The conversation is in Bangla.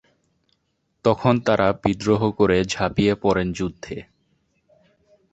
তখন তারা বিদ্রোহ করে ঝাঁপিয়ে পড়েন যুদ্ধে।